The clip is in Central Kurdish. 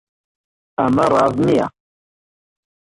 ئەمە ڕاست نییە.